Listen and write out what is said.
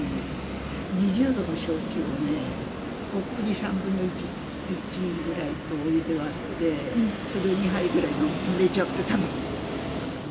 ２０度の焼酎をね、とっくり３分の１ぐらいお湯で割って、それを２杯ぐらい飲むと寝ちゃってたの。